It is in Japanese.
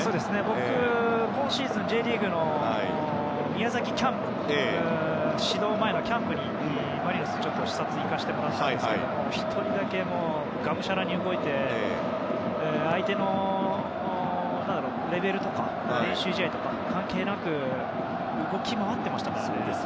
僕、今シーズンＪリーグの宮崎キャンプ始動前のキャンプにマリノス、視察に行かせてもらいましたが１人だけ、がむしゃらに動いて相手のレベルとか練習試合とか関係なく動き回っていましたからね。